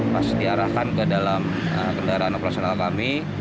pas diarahkan ke dalam kendaraan operasional kami